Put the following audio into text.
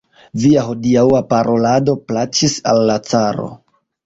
Via hodiaŭa parolado plaĉis al la caro.